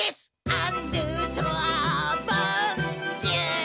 「アンドゥトロワボンジュール」